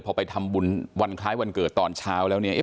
พอไปทำบุญวันคล้ายวันเกิดตอนเช้าแล้วเนี่ย